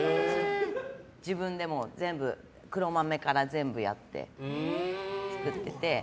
自分でも、黒豆から全部やって作ってて。